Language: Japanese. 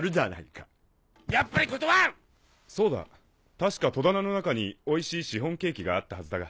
確か戸棚の中においしいシフォンケーキがあったはずだが。